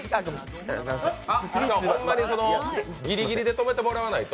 ほんまにギリギリで止めてもらわないと。